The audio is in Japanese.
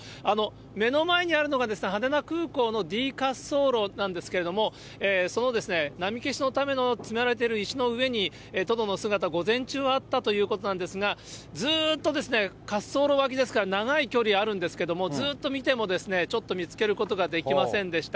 目の前にあるのが、羽田空港のＤ滑走路なんですけれども、その波消しのための積まれている石の上に、トドの姿、午前中はあったということなんですが、ずっと、滑走路脇ですから長い距離あるんですけど、ずっと見ても、ちょっと見つけることができませんでした。